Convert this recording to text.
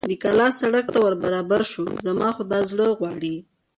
د کلا سړک ته ور برابر شو، زما خو دا زړه غواړي.